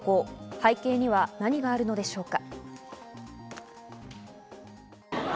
背景には何があるのでしょうか。